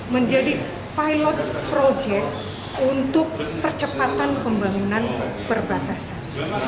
menjadi pilot project untuk percepatan pembangunan perbatasan